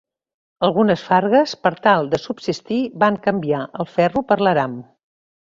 Algunes fargues, per tal de subsistir, van canviar el ferro per l'aram.